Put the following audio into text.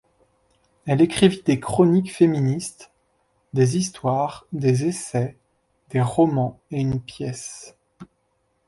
Elle écrivit des chroniques féministes, des histoires, des essais, des romans et une pièce.